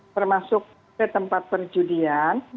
termasuk ke tempat perjudian